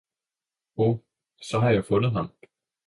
Oh, så har jeg fundet ham!